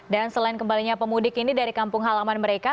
dan selain kembalinya pemudik ini dari kampung halaman mereka